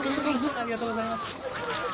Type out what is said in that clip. ありがとうございます。